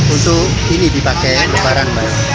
untuk ini dipakai lebaran